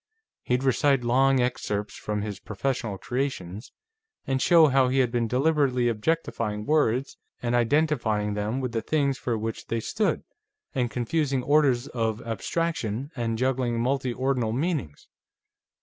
He'd recite long excerpts from his professional creations, and show how he had been deliberately objectifying words and identifying them with the things for which they stood, and confusing orders of abstraction, and juggling multiordinal meanings.